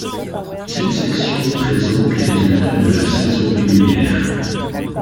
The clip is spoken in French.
Cette section présente les résultats de la saison régulière.